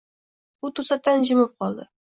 U to‘satdan jimib qoldi.